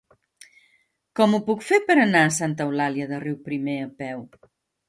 Com ho puc fer per anar a Santa Eulàlia de Riuprimer a peu?